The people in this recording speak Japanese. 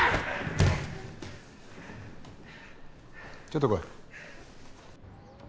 ちょっと来い。